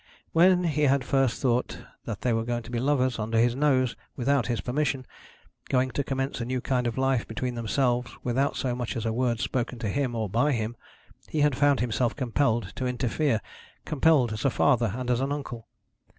When he had first thought that they were going to be lovers, under his nose, without his permission, going to commence a new kind of life between themselves without so much as a word spoken to him or by him, he had found himself compelled to interfere, compelled as a father and an uncle.